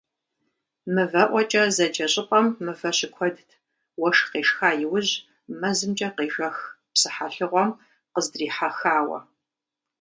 «МывэӀуэкӀэ» зэджэ щӀыпӀэм мывэ щыкуэдт, уэшх къешха иужь, мэзымкӀэ къежэх псыхьэлыгъуэм къыздрихьэхауэ.